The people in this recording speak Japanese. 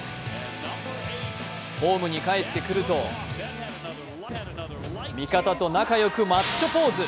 ホームに帰ってくると味方と仲良くマッチョポーズ。